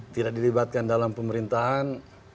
tidak dilibatkan dalam pemerintahan